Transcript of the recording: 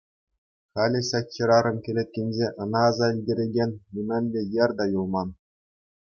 Халӗ ҫак хӗрарӑм кӗлеткинче ӑна аса илтерекен нимӗнле йӗр те юлман.